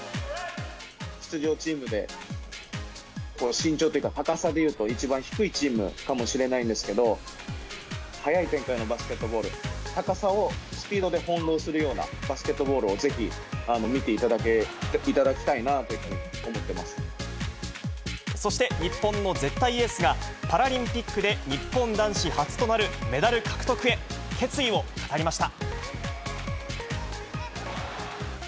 出場チームで身長というか、高さでいうと、一番低いチームかもしれないんですけれども、速い展開のバスケットボール、高さをスピードで翻弄するような、バスケットボールをぜひ見ていただきたいなというふうに思ってまそして、日本の絶対エースが、パラリンピックで日本男子初となるメダル獲得へ、決意を語りました。